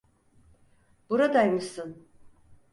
Buradaymışsın.